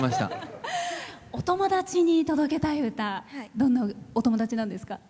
お友達に届けたい歌どんなお友達なんですか？